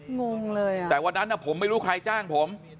งงเลยอ่ะแต่วันนั้นผมไม่รู้ใครจ้างผม